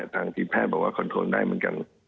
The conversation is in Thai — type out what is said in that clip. ทางทีมแพทย์บอกว่าคอนโทรได้เหมือนกัน